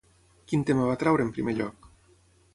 Quin tema va treure en primer lloc?